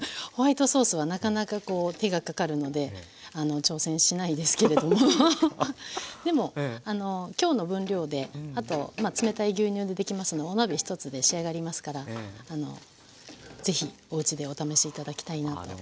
ホワイトソースはなかなかこう手がかかるので挑戦しないですけれどもでも今日の分量であと冷たい牛乳でできますのでお鍋１つで仕上がりますからぜひおうちでお試し頂きたいなと。